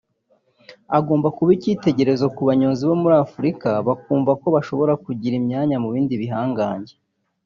Agomba kuba icyitegererezo ku banyonzi bo muri Afurika bakumva ko bashobora kugira imyanya mu bindi bihangange